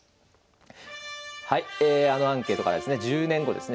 はいあのアンケートからですね１０年後ですね